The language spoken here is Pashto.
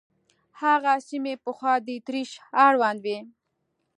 هغه سیمې پخوا د اتریش اړوند وې.